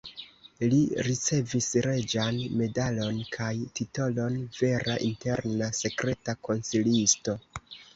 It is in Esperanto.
Li ricevis reĝan medalon kaj titolon "vera interna sekreta konsilisto".